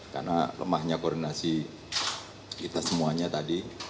karena lemahnya koordinasi kita semuanya tadi